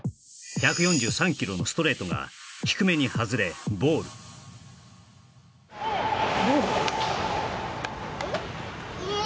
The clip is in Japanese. １４３キロのストレートが低めに外れボールボールうん？